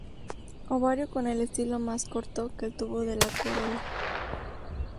Ovario con el estilo más corto que el tubo de la corola.